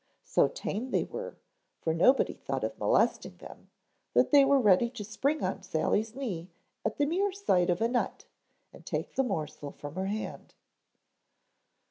So tame they were, for nobody thought of molesting them, that they were ready to spring on Sally's knee at the mere sight of a nut and take the morsel from her hand.